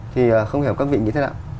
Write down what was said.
thì không hiểu các vị nghĩ thế nào